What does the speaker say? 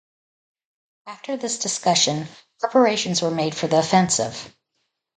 After this discussion, preparations were made for the offensive.